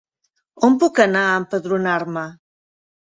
On puc anar a empadronar-me?